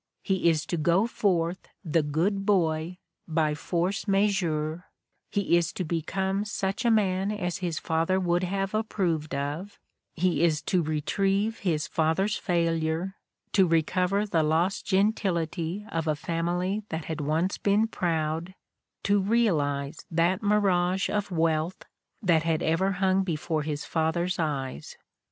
He is to go forth the Good Boy by force majeure, he is to become such a man as his father would have approved of, he is to retrieve his father's failure, to recover the lost gentil ity of a family that had once been proud, to realize that "mirage of wealth" that had ever hung befpre his father's eyes.